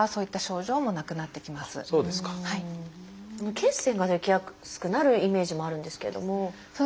血栓が出来やすくなるイメージもあるんですけれども。